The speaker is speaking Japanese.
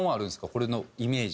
これのイメージ。